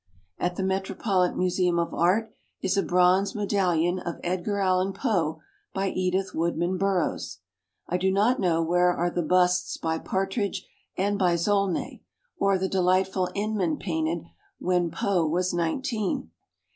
At the Metropolitan Museum of Art is a bronze medal lion of Edgar Allan Poe by Edith Woodman Burroughs. I do not know where are the busts by Partridge and by Zolnay, or the delightful Inman painted when Poe was nineteen.